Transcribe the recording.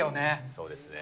そうですね。